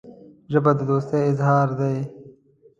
ژبه د دوستۍ اظهار ده